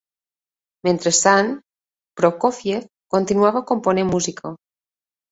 Mentrestant, Prokófiev continuava component música.